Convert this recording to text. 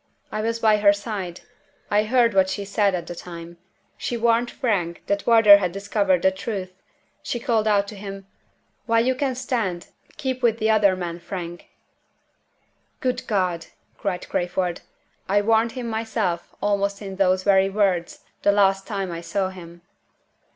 I was by her side; I heard what she said at the time. She warned Frank that Wardour had discovered the truth. She called out to him, 'While you can stand, keep with the other men, Frank!'" "Good God!" cried Crayford; "I warned him myself, almost in those very words, the last time I saw him!"